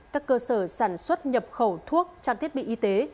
các cơ sở sản xuất nhập khẩu thuốc trang thiết bị y tế